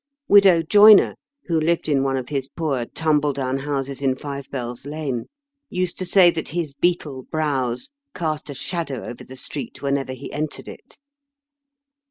Widow Joyner, who lived in one of his poor tumble down houses in Five Bells Lane, used to say that his beetle brows cast a shadow over the street whenever he entered it.